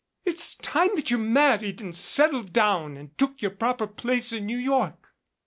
It's time that you married, settled down and took your proper place in New York.